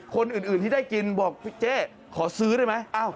คนอื่นที่ได้กินบอกพี่เจ๊ขอซื้อได้ไหม